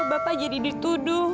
bapak jadi dituduh